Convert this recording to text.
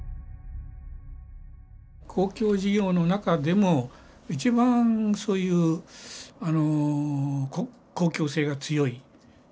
公共事業の中でも一番そういうあの公共性が強い。